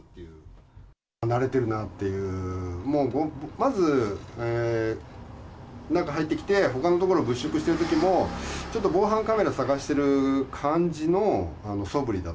慣れてるなっていう、もう、まず中入ってきて、ほかの所を物色しているときも、ちょっと防犯カメラ探してる感じ